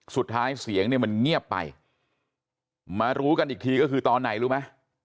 เสียงเนี่ยมันเงียบไปมารู้กันอีกทีก็คือตอนไหนรู้ไหม